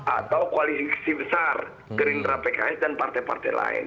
atau koalisi besar gerindra pks dan partai partai lain